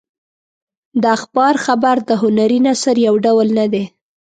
د اخبار خبر د هنري نثر یو ډول نه دی.